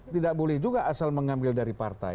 tidak boleh juga asal mengambil dari partai